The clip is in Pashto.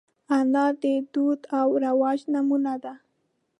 انا د دود او رواج نمونه ده